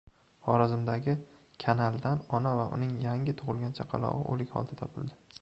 Xorazmdagi kanaldan ona va uning yangi tug‘ilgan chaqalog‘i o‘lik holda topildi